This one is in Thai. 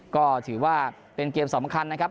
ก็ถือว่าเป็นเกมสำคัญนะครับ